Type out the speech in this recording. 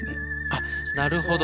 あっなるほど。